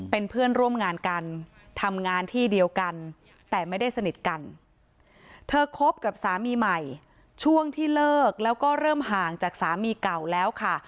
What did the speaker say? เป็นเพื่อนร่วมงานกันทำงานที่เดียวกันแต่ไม่ได้สนิทกันเธอคบกับสามีใหม่ช่วงที่เลิกแล้วก็เริ่มห่างจากสามีเก่าแล้วค่ะ